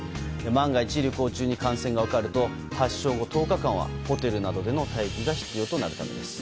万が一旅行中に感染が分かると発症後１０日間はホテルなどでの待機が必要となるためです。